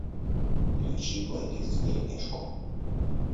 Включи плейлист вперемешку